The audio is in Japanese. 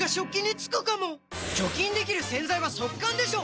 除菌できる洗剤は速乾でしょ！